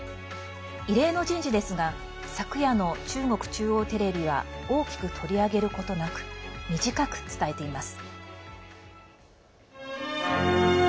異例の人事ですが昨夜の中国中央テレビは大きく取り上げることなく短く伝えています。